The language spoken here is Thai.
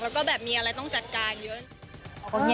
แล้วก็แบบมีอะไรต้องจัดการเยอะ